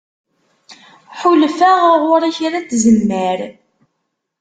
Ḥulfaɣ ɣur-i kra n tzemmar.